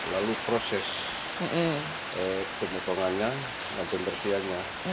lalu proses pemutongannya dan pembersihannya